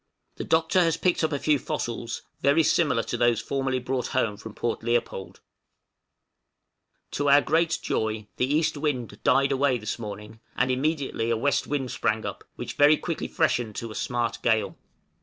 The Doctor has picked up a few fossils very similar to those formerly brought home from Port Leopold. {PASS FURY BEACH.} To our great joy the east wind died away this morning, and immediately a west wind sprang up, which very quickly freshened to a smart gale.